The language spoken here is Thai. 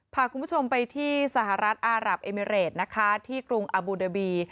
พาคุณผู้ชมไปที่สหรัฐอารับเอมิเรดนะคะที่กรุงอบูเดอร์บี